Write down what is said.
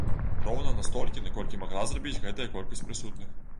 Роўна настолькі, наколькі магла зрабіць гэтая колькасць прысутных.